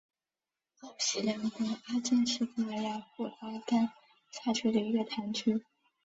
奥西良博阿镇是葡萄牙布拉干萨区的一个堂区。